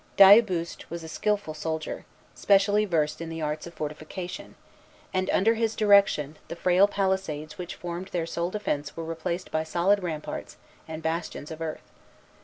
D'Ailleboust was a skilful soldier, specially versed in the arts of fortification; and, under his direction, the frail palisades which formed their sole defence were replaced by solid ramparts and bastions of earth.